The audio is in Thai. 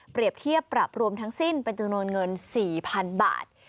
เทียบปรับรวมทั้งสิ้นเป็นจำนวนเงิน๔๐๐๐บาท